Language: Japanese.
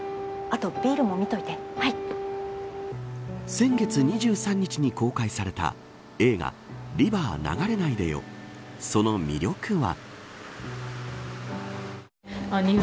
先月２３日に公開された映画リバー、流れないでよその魅力は。